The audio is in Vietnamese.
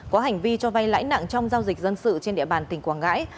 có hành vi cho vay lãi nặng trong giao dịch dân sự trên địa bàn tỉnh quảng ngãi